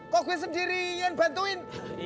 kok gue sendiri yang bantuin